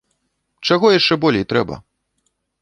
Чаго яшчэ болей трэба?